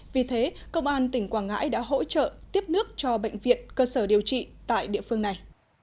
vì thế công an tỉnh quảng ngãi đã hỗ trợ tiếp nước cho bệnh viện cơ sở điều trị tại địa phương này